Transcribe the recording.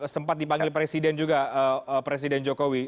sempat dipanggil presiden juga presiden jokowi